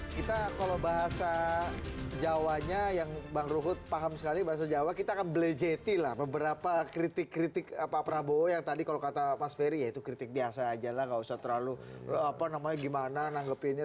kita kalau bahasa jawanya yang bang ruhut paham sekali bahasa jawa kita akan belejeti lah beberapa kritik kritik pak prabowo yang tadi kalau kata mas ferry ya itu kritik biasa aja lah nggak usah terlalu apa namanya gimana nanggepinnya